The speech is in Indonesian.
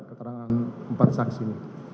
keterangan empat saksi ini